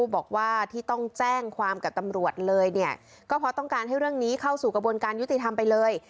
บอกว่าที่ต้องแจ้งความกับตำรวจเลยเนี่ยก็เพราะต้องการให้เรื่องนี้เข้าสู่กระบวนการยุติธรรมไปเลย